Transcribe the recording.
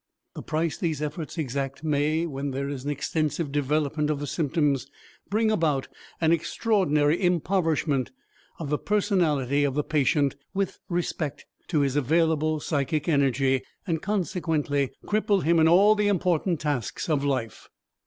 The price these efforts exact may, when there is an extensive development of the symptoms, bring about an extraordinary impoverishment of the personality of the patient with respect to his available psychic energy, and consequently cripple him in all the important tasks of life.